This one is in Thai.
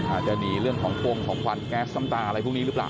อาจจะหนีเรื่องของพงของควันแก๊สน้ำตาอะไรพวกนี้หรือเปล่า